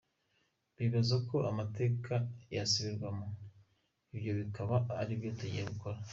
"Bibaza ko amategeko yosubirwamwo, ivyo bikaba arivyo tugiye gukora.